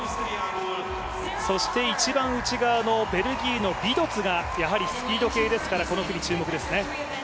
そして一番内側のベルギーのビドツがスピード系ですからこの組注目ですね。